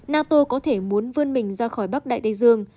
nato có thể muốn vươn mình ra khỏi bắc đại tây dương